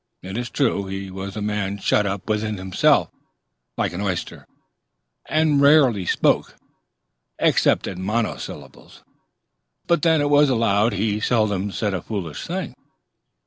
It is true he was a man shut up within himself, like an oyster, and rarely spoke, except in monosyllables; but then it was allowed he seldom said a foolish thing.